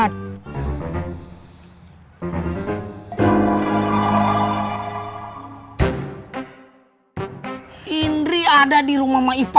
ternyata ya kan tuh